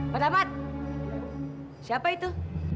pak damat siapa itu